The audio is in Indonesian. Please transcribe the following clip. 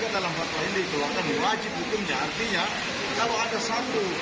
pemerintah berdosa secara hukum agama